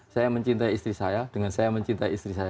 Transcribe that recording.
saya mencintai istri saya dengan saya mencintai istri saya